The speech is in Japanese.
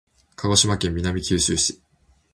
鹿児島県南九州市